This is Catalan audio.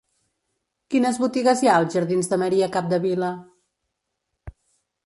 Quines botigues hi ha als jardins de Maria Capdevila?